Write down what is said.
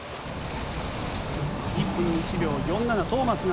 １分１秒４７、トーマスが